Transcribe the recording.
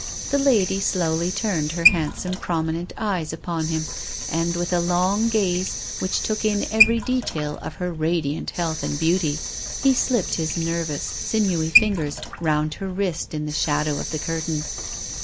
The lady slowly turned her handsome prominent eyes upon him, and, with a long gaze which took in every detail of her radiant health and beauty, he slipped his nervous, sinewy fingers round her wrist in the shadow of the curtain.